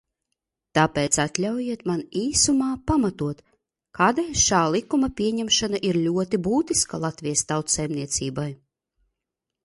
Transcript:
Tāpēc atļaujiet man īsumā pamatot, kādēļ šā likuma pieņemšana ir ļoti būtiska Latvijas tautsaimniecībai.